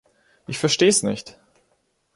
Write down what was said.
Ich verstehe es nicht!